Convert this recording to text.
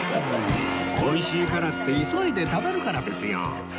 美味しいからって急いで食べるからですよ